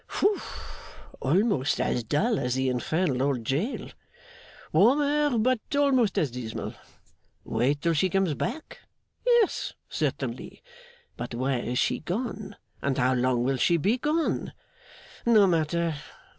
'Whoof! Almost as dull as the infernal old jail. Warmer, but almost as dismal. Wait till she comes back? Yes, certainly; but where is she gone, and how long will she be gone? No matter!